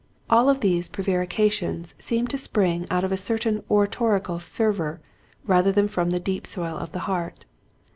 All of these prevarications seem to spring out of a certain oratorical fervor rather than from the deep soil of the heart.